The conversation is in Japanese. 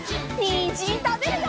にんじんたべるよ！